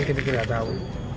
kita tidak tahu